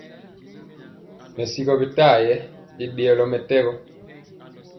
Mɛsigɔ bintayɛ i ɗeyɔlɔ mɛtɛgɔ.